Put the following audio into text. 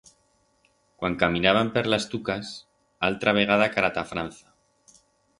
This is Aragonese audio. Cuan caminaban per las tucas, altra vegada cara ta Franza.